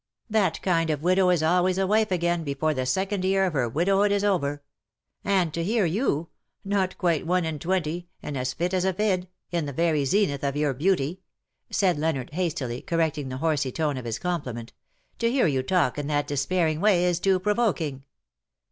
That kind of widow is always a wife again before the second yeai of her widowhood is over. And to hear you — not quite one and twenty, and as fit as a fid — in the very zenith of your beauty/^ said Leonard, hastily correcting the horsey turn of his compliment, —" to hear you talk in that despairing way is too pro voking.